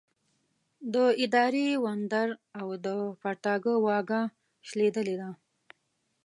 د اداري وندر او د پرتاګه واګه شلېدلې ده.